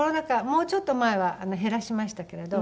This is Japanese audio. もうちょっと前は減らしましたけれど。